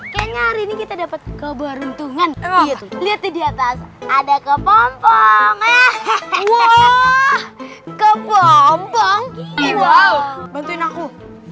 kemarin kita dapat keberuntungan lihat di atas ada kepompong kebombong wow bantuin aku